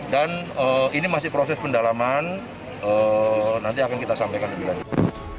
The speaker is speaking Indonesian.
dan ini masih proses pendalaman nanti akan kita sampaikan lebih lanjut